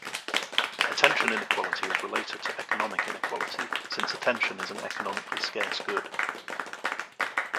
Attention inequality is related to economic inequality since attention is an economically scarce good.